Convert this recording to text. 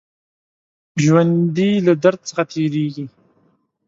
ژوندي له درد څخه تېرېږي